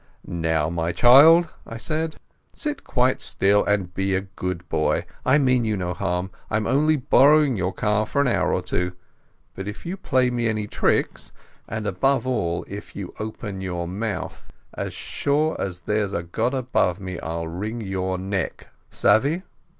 "Now, my child," I said, "sit quite still and be a good boy. I mean you no harm. I'm only borrowing your car for an hour or two. But if you play me any tricks, and above all if you open your mouth, as sure as there's a God above me I'll wring your neck. _Savez?